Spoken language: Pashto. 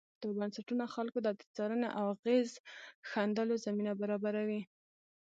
دا بنسټونه خلکو ته د څارنې او اغېز ښندلو زمینه برابروي.